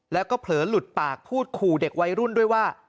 แล้วก็เผลอหลุดปากพูดขู่เด็กวัยรุ่นด้วยว่า